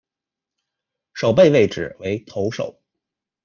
守备位置为投手。